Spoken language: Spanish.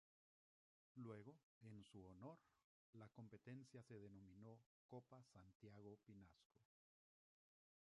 Luego, en su honor, la competencia se denominó Copa Santiago Pinasco.